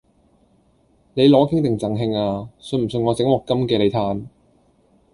你攞景定贈慶啊？信唔信我整鑊金嘅你嘆！